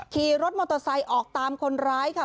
ขี่รถมอเตอร์ไซค์ออกตามคนร้ายค่ะ